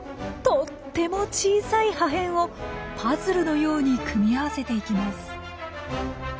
とっても小さい破片をパズルのように組み合わせていきます。